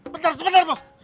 bentar sebentar bos